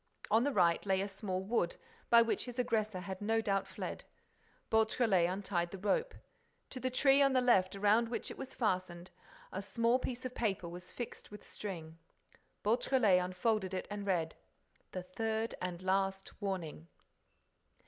On the right lay a small wood, by which his aggressor had no doubt fled. Beautrelet untied the rope. To the tree on the left around which it was fastened a small piece of paper was fixed with string. Beautrelet unfolded it and read: "The third and last warning."